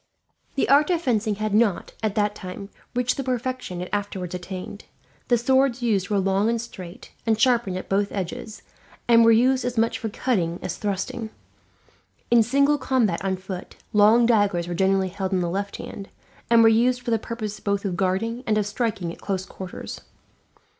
The art of fencing had not, at that time, reached the perfection it afterwards attained. The swords used were long and straight, and sharpened at both edges; and were used as much for cutting as thrusting. In single combat on foot, long daggers were generally held in the left hand, and were used for the purpose both of guarding and of striking at close quarters.